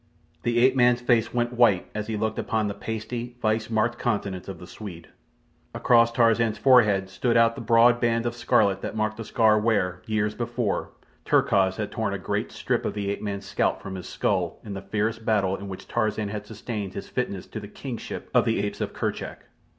The ape man's face went white as he looked upon the pasty, vice marked countenance of the Swede. Across Tarzan's forehead stood out the broad band of scarlet that marked the scar where, years before, Terkoz had torn a great strip of the ape man's scalp from his skull in the fierce battle in which Tarzan had sustained his fitness to the kingship of the apes of Kerchak.